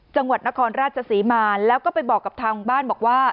จังหวัดนครราชศรีมาแล้วก็ไปบอกกับทางบ้านบอกว่า